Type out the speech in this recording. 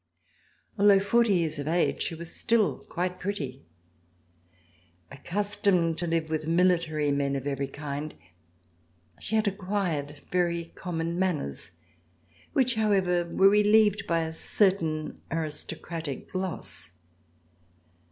Although forty years of age, she was still quite pretty. Ac C 345 ] RECOLLECTIONS OF THE REVOLUTION customed to live with military men of every kind, she had acquired very common manners which, how ever, were relieved by a certain aristocratic gloss.